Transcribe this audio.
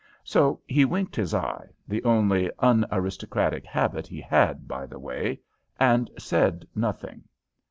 So he winked his eye the only unaristocratic habit he had, by the way and said nothing.